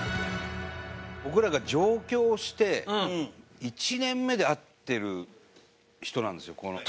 僕らが上京して１年目で会ってる人なんですよこの。